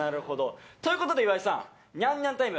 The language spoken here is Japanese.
ということで岩井さんニャンニャンタイム